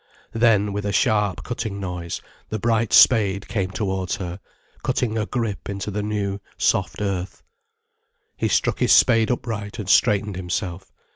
Then with a sharp cutting noise the bright spade came towards her, cutting a grip into the new, soft earth. He struck his spade upright and straightened himself.